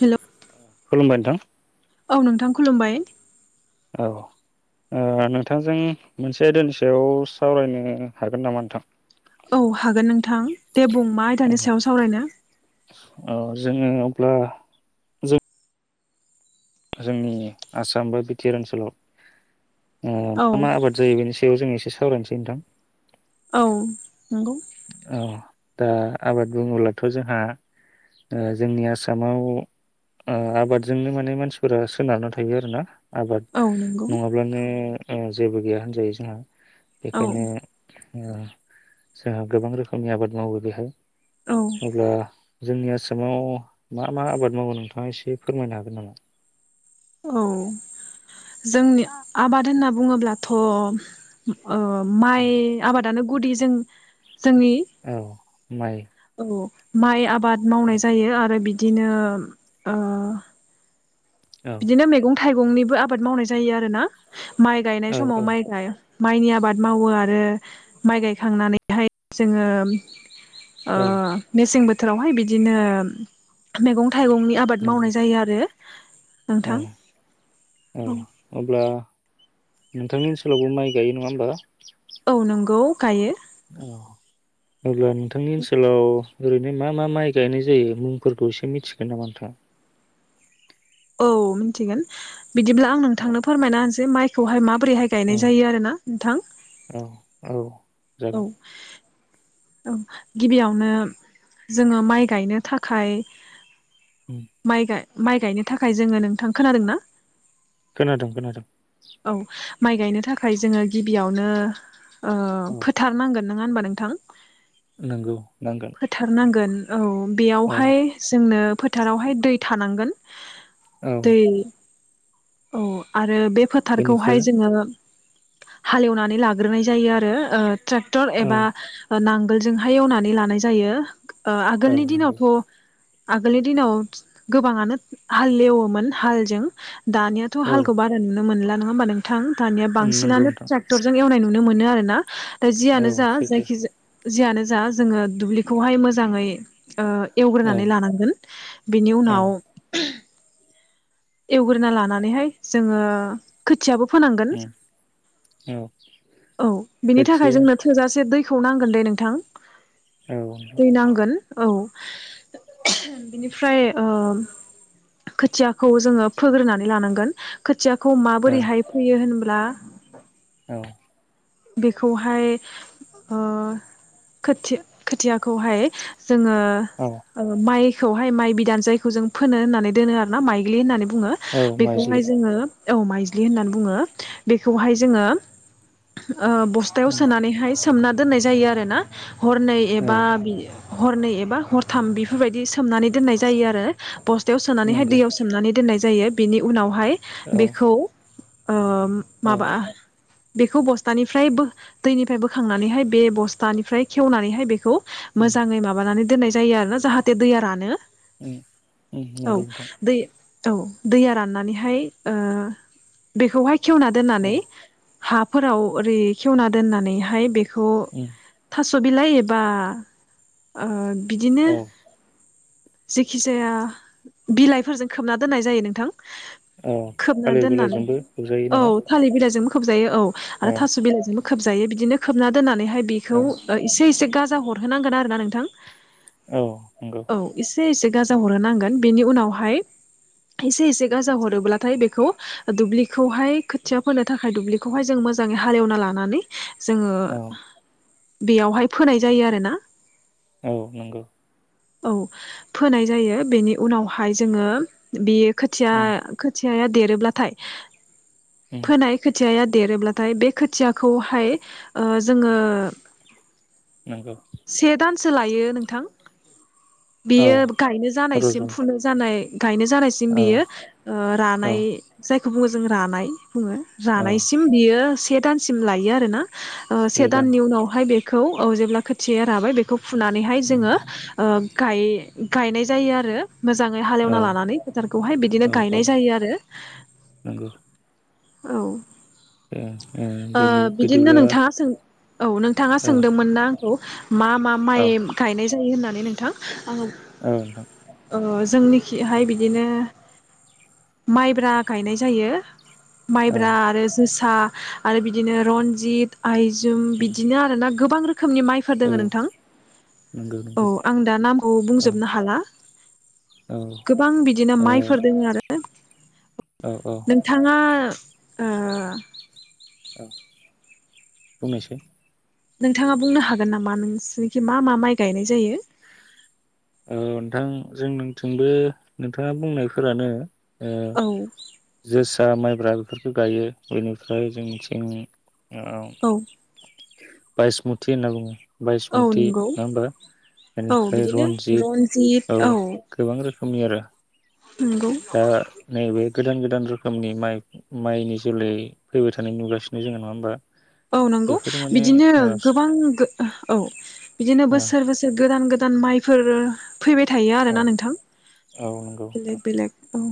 Hello खुलुमबाय नोंथां औ नोंथां खुलुमबाय औ ओ नोंथांजों मोनसे आयदानि सायाव सावरायनो हागोन नामा नोंथां? औ हागोन नोंथां दे बुं मा औ आयदानि सायाव सावरायनो औ जोङो अब्ला जों जोंनि आसाम बा बि टि आर ओनसोलाव ओ औ मा मा आबाद जायो बेनि बेयाव जों एसे सावरायनोसै नोंथां। औ नंगौ औ दा आबाद बुङोब्लाथ' जोंहा ओ जोंनि आसामाव ओ आबादजोंनो माने मानसिफोरा सोनारना थायो आरोना। आबाद औ नंगौ नङाब्लानो ओ जेबो गैया होनजायो जोंहा। औ बेखायनो ओ जोंहा गोबां रोखोमनि आबाद मावो बेहाय औ अब्ला जोंनि आसामाव मा मा आबाद मावो नोंथाङा एसे फोरमायनो हागोन नामा? औ जोंनि आबाद होनना बुङोब्लाथ' ओ माइ आबादानो गुदि जों जोंनि औ माइ औ माइ [unintelligible] आबाद औ मावनाय जायो आरो बि दिनो ओ औ बिदिनो मेगं थाइगंनिबो आबाद मावनाय जायो आरो ना माइ गायनाय समाव औ माइ गा माइनि आबाद मावो आरो माइ गायखांनानैहाय जोङो आ औ मेसें बो बोथोरावहाय बिदिनो मेगं थाइगंनि आबाद नंगौ मावनाय जायो आरो औ नोंथां औ अब्ला नोंथांनि ओनसोलावबो माइ गायो नङा होमबा? औ नंगौ गायो। औ अब्ला नोंथांनि ओनसोलाव ओरैनो मा मा माइ गायनाय जायो मुंफोरखौ एसे मिथिगोन नामा नोंथांङा औ मिथिगोन बिदिब्ला आं औ नोंथांनो फोरमायना होनोसै माइ खौहाय मा बोरैहाय औ गायनाय जायो आरो ना नोंथां औ औ औ। जागोन औ गिबियावनो जोङो माइ गायनो थाखाय उम माइ गाय माइ गायनो थाखाय जोङो नोंथां खोनादों ना? खोनादों खोनादों। माइ गायनो थाखाय जोङो गिबियावनो ओ औ फोथार नांगोन। नङा होनबा नोंथां? नंगौ नांगोन। फोथार नांगोन औ। औ बेयावहाय जोंनो फोथारावहाय दै थानांगोन। औ दै औ आरो बे फोथारखौहाय बेनिफ्राय जोङो हालेवनानै लाग्रोनाय जायो आरो ओ ट्रेक्टर औ एबा ओं नां गोलजोंहाय एवनानै लानाय जायो। ओं औ आगोलनि नंगौ दिनावथ' आगोलनि दिनाव बिद-गोबाङानो हाल एवोमोन हालजों। दानियाथ' औ हालखौ बारा नुनो मोनला। नङा होमबा नों नोंथां दानिया नंगौ बांसिनानो नोंथां ट्रेक्टरजों एवनाय नुनो मोनो आरोना। जियानो औ जा सैथो जायखिजाया जियानो जा जोङो दुब्लिखौहाय मोजाङै ओ औ एवग्रोनानै लानांगोन बेनि औ उनाव एवग्रोना लानानैहाय जोङो खो थियाबो फोनांगोन उम औ औ बिनि थाखाय खोथिया जोंनो थोजासे दै खौ नांगोन दे नोंथां। औ औ दै नांगोन औ। बिनिफ्राय ओं खोथिया खौ जोङो फोग्रोनानै लानांगोन खोथिया खौ माबोरैहाय फैयो होन ब्ला औ। बेखौहाय ओं खोथि-खोथियाखौहाय जोङो औ ओं माइ खौहाय माइ बिदान जायखौ जों फोनो होननानै दोनो आरोना माइ माइलि होननानै बुङो औ बेखौहाय माइज्लि जोङो औ माइज्लि होननानै बुङो बेखौहाय जोङो। ओं बस्थायाव उम सोनानैहाय सोमना दोननाय जायो आरोना। हरनै औ एबा बि हरनै एबा हरथाम बेफोरबायदि सोमनानै दोननाय जायो आरो बह्थ बस्तायाव सोनानैहाय नंगौ दैयाव दोननाय जायो बेनि उनाव बेहाय औ बेखौ अ ओ औ माबा बेखौ बस्थानिफ्राय दैनिफ्राय बोखांनानैहाय बे बस्थानिफ्राय खेवनानैहाय बेखौ उम मोजाङै माबानानै दोननाय जायो आरो ना जाहाथे दैया रानो उम उम औ नंगौ नोथां दै औ दैया राननानैहाय ओ दैखौहाय खेवना दोननानै औ हाफोराव ओरै खेवना दोननानैहाय बे खौ उम थास स बिलाइ एबा बिदिनो औ जेखि जाया बिलाइफोरजों खोबना दोननाय जायो नोंथां औ खोबना थालिर बिलाइजोंबो दोननानैहाय खोबजायो औ नामा? थालिर बिलाइजों खोबजायो औ आरो थास' बिलाइजोंबो खोबजायो बिदिनो खोबना दोननानै ओमफ्राय औ बेखौ इसे एसे गाजा हरहोनांगोन आरो ना नोंथां औ नंगौ। औ एसे एसे गाजा हरहोनांगोन बेनि उनावहाय, इसे एसे गाजा हरोब्लाथाय बेखौ दुब्लिखौहाय खोथिया फोनो थाखाय दुब्लिखौहाय जों मोजाङै हालेवना लानानै, जोङो औ बेयावहाय फोनाय जायो आरो ना? औ नंगौ। औ फोनाय जायो। बेनि उनावहाय जोङो, बियो खोथिया उम खोथि खोथिया देरोब्लाथाय, उम फोनाय खोथिया, देरोब्लाथाय बे खोथियाखौहाय ओ जोङो, नोंगौ सोलायो नोंथां, औ बेयो गायनो जानायसिम रज'नो फुनो जानाय, गायनो जानायसिम औ बेयो ओ औ रानाय जाय बुङोजों रानाय बुङो औ जानायसिम बियो खे दानसिम लायो आरो ना? से दाननि उनावहाय बे खौ औ जेब्ला खोथिया राबाय बेखौ, फुनानैहाय उम जोङो, गाय गायनाय जायो आरो मोजाङै हालेवना औ ला, [unintelligible] फोथारखौहाय बिदिनो औ गायनाय औ जायो आरो नंगौ औ ओ ओ बेनि बिदिनो बिदिब्ला नोंथाङा सों औ नोंथाङा औ सोंदोंमोन ना? औ मा मा माइ औ गायनाय जायो होननानै नोंथां आङो [unintelligible] ओ जोंनि हाय बिदिनो माइब्रा गायनाय जायो। औ माइब्रा आरो जोस सा आरो बिदिनो रनजित आयजुम औ बिदिनो आरो ना गोबां रोखोम रोखोमनि माइफोर दोङ नोंथां नंगौ औ नंगौ आं दा नामखौ औ बुंजोबनो हाला औ गोबां बिदिनो ओ माइफोर दोङो आरो औ औ नोंथाङा ओ बुंनोसै नोंथाङा बुंनो हागोन नामा नोंसोरनिखि मा मा माइ गायनाय जायो। नोंथां जोंथिंबो नोंथाङा बुंनायफोरानो ओ औ जोस [unintelligible] माइब्रा बेफोरखौ गायो बेनिफ्राय जोंथिं औ बाइसमुथि होन्ना बुङो। औ बायसमुति नंगौ नङा होमबा एनिफाय रनजि रनजित औ [unintelligible] नंगौ दा नै बे गोदान गोदान रोखोमनि माइ माइनि जोलै फैबाय थानाय नुगासिनो जोङो नङा होमबा। औ नंगौ बेफोरो माने बिदिनो ओ गोबां गो औ बिदिनो बोसोर बोसोर गोदान गो गोदान माइफोर फैबाय थायो ओ आरोना नोंथां औ नंगौ नोंथां बेलेग बेलेग औ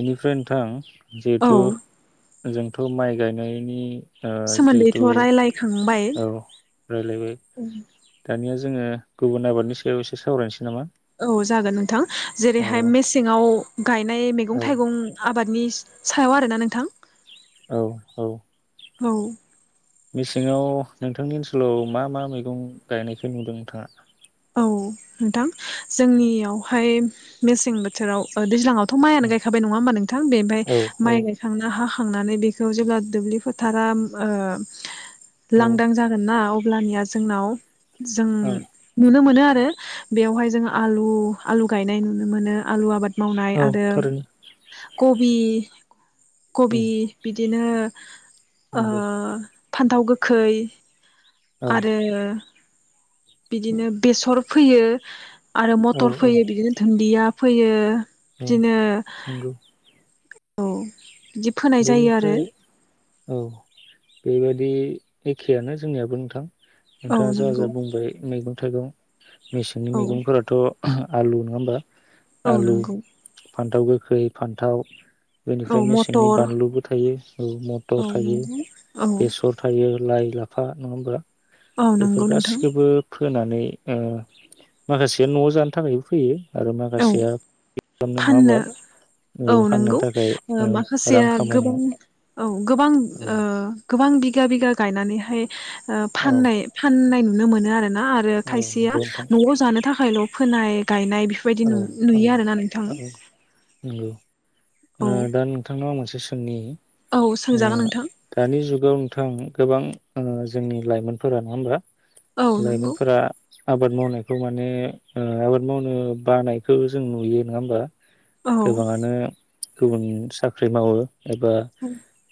बेनिफ्राय नोंथां औ जिहेथु जोंथ' माइ गायनायनि दा सोमोन्दैथ' जिहेथु रायलायखांबाय औ रालायो दानिया जोङो गुबुन आबादनि सायाव एसे सावरायनोसै नामा? औ जागोन नोंथां। जेरैहाय औ मेसेंआव गायनाय मैगं औ थाइगं आबादनि सायाव आरोना नोंथां औ-औ औ मेसेङाव नोंथांनि ओनसोलाव मा मा मैगं गायनायखौ नुदों नोंथाङा? औ नोंथां जोंनियावहाय मेसें [unintelligible] [unintelligible] औ औ [unintelligible] खांनानै बेखौ जेब्ला दुब्लि फोथारा ओ औ लांदां जागोन ना अ अब्लानिया जोंनाव। जों। औ नुनो मोनो आरो बेयावहाय जोङो आलु आलु गायनाय नुनो मोनो आलु आबाद। मावनाय औ आरो थारैनो कबि [inaudible] कबि उम बि बिदिनो ओ नंगौ फान्थाव गोखै औ आरो। बिदिनो बेसर फैयो आरो औ मटर औ फोयो, बिदिनो दुन्दिया फोयो औ बिदिनो नंगौ बिदि फोनाय जायो आरो बेनिफ्राय औ बेबाय बे एखेयानो जोंनियाबो नोंथां। औ नोंथाङा जा नंगौ जा बुंबाय मैगं थाइगं मेसेंनि औ मैगंफोराथ' आलु नङा होमबा? औ आलु नंगौ। फान्थाव गोखै, फान्थाव औ बेनिफ्राय मेसेंनि मटर बानलुबो थायो। औ मटर औ थायो नंगौ औ बेसर थायो। लाइ, लाफा नङा होमबा? औ बेफोर नंगौ नोंथां गासिखोबो फोनानै ओ माखासेया न'आव जानो थाखायबो फैयो। आरो औ माखासेया खालामनो नङा होमबा फाननो औ फाननो थाखाय ओ रां माखासेया खामायनो। गोबां औ गोबां औ ओ। गोबां बिगा बिगा गायनानैहाय ओ औ फाननाय फाननाय नुनो मोनो आरो ना आरो औ खायसेया नंगौ नोंथां न'आव जानो थाखायल' फोनाय गायनाय बायदि औ नु नुयो आरोना नोंथां नोंगौ औ ओ दा नोंथांनाव आं मोनसे गोसोंनि औ ओ सोंजागोन नोंथां दानि जुगाव नोंथां गोबां आङो जोंनि लाइमोनफोरा नङा होमबा औ नंगौ लाइमोनफोरा आबाद मावनायखौ माने ओ आबाद मावनो। बानायखौ जों नुयो नङा होमबा। औ गोबाङानो। गुबुन साख्रि मावो। एबा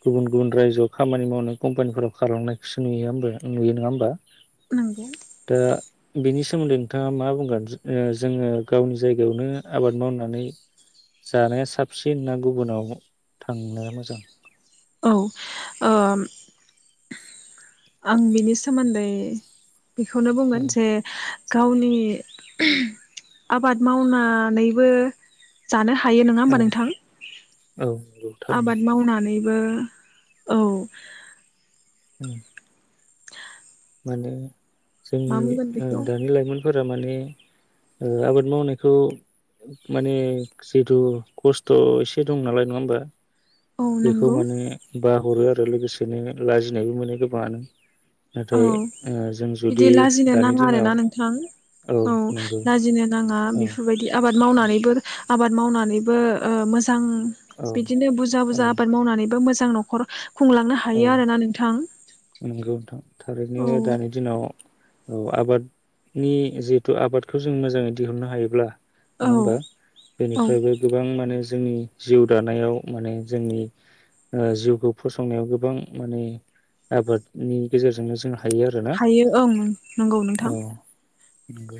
गुबुन गुबुन रायजोआव खामानि मावनाय कम्पानिफोराव खालामनायखौसो नुयो नुयो नङा होमबा। नंगौ बिनि सोमोन्दै नोंथाङा मा बुंगोन जोङो। गावनि जायगायावनो आबाद मावनानै जानाया साबसिन ना गुबुनाव थांनाया मोजां। औ ओ आं बिनि सोमोन्दै। बेखौनो औ बुंगोन जे। गावनि आबाद मावनानैबो जानो हागोन थायो नङा औ होमबा नोंथां। औ नंगौ थारैनो आबाद मावना बिबो औ उम माने जोंनि मा बुंगोन बेखौ दानि लाइमोन फोर माने आबाद मावनायखौ माने जिहेथु खस्थ एसे दं नालाय नङा होमबा। औ बेखौ नंगौ माने। बाहरो आरो लोगोसेनो लाजिनायबो मोनो गोबाङानो। नाथाय औ ओ जों बिदि जुदि लाजिनो दानि नाङा दिनाव आरोना नोंथां औ लाजिनो नाङा। आं औ बेफोरबायदि आबाद। मावनानैबो। आबाद मावनानैबो ओ मोजां। आंडों औ बिदिनो बुरजा औ बुरजा आबाद मावनानैबो मोजां। जों नखर खुंलांनो औ हायो आरोना नोंथां। औ थारिखनि दानि दिनाव औ आबादनि जिहेथु आबादखौ जों मोजाङै दिहुननो हायोब्ला। नङा औ होमबा औ बेनिफ्रायबो गोबां माने। जोंनि जिउ दानायाव माने जोंनि जिउखौ फसंनायाव गोबां माने। आबादनि गेजेरजोंनो जोंहा। हायो ओं नंगौ नोंथां। नगौ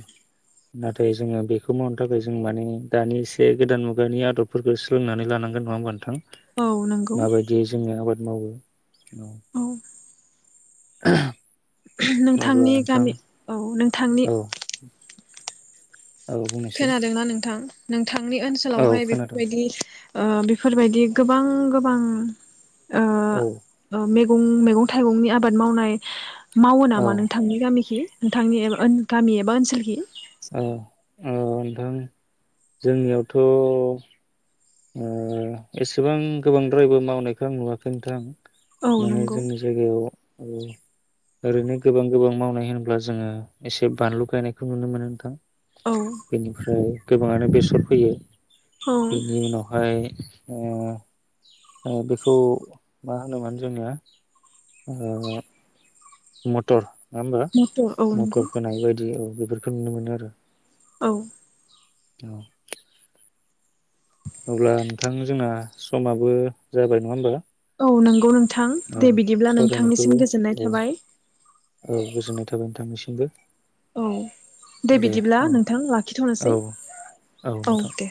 नाथाय जोङो बेखौ मावनो थाखाय जों माने दानि एसे गोदान मुगानि आदबफोरखौ सोलोंनानै लानांगोन नङा होमबा नोंथां? औ नंगौ माबायदि जोङो आबाद मावो। औेल' [inaudible] औ [inaudible] अब्ला नोंथांनि नोंथां गामि औ नों औ। औ बुंनोसै खोनादोंना नोंथां? थांनि औ ओनसोलावहाय खोनादों बेफोरबायदि बेफोरबायदि गोबां गोबां ओ औ ओ मे। मैगं थाइगंनि आबाद मावनाय। मावो औ नामा नोंथांनि गामिखि? नोंथांनि गामि एबा ओनसोलखि? औ नोंथां जोंनियावथ' ओ एसेबां गोबांद्रायबो मावनायखौ आं नुवाखै नोंथां। औ माने नंगौ जोंनि जायगायाव औ ओरैनो गोबां गोबां मावनाय होनोब्ला जोङो एसे बानलु गायनायखौ नुनो मोनो नोंथां। औ बेनिफ्राय गोबाङानो बेसर फैयो। औ। बेनि उनावहाय ओ बेखौ मा होनोमोन जोङो? ओ मटर नङा होमबा मटर औ नंगौ मथर फोनाय बायदि औ बे बेखौ नुनो मोनो आरो। औ। औ। [inaudible] अब्ला नोंथां जोंना समाबो जाबाय नङा होमबा? औ नंगौ नोंथां दे औ बिदिब्ला सावरायनायखौ नोंथांनिसिम गोजोननाय औ थाबाय। औ गोजोननाय थाबाय नोंथांनिसिमबो। औ दे बिदिब्ला नोंथां लाखिथ'नोसै औ औ दे।